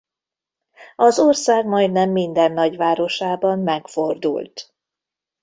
Az ország majdnem minden nagyvárosában megfordult.